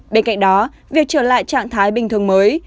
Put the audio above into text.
bên cạnh đó việc trở lại trạng thái bình thường mới